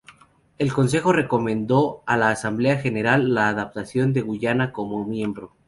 El Consejo recomendó a la Asamblea General la aceptación de Guyana como miembro.